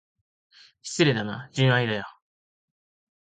失礼だな、純愛だよ。